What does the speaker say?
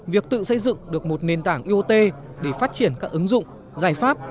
việc tự xây dựng được một nền tảng iot để phát triển các ứng dụng giải pháp